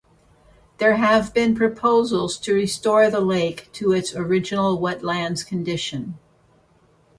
There have been proposals to restore the lake to its original wetlands condition.